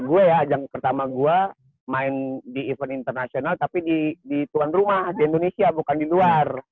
gue ya ajang pertama gue main di event internasional tapi di tuan rumah di indonesia bukan di luar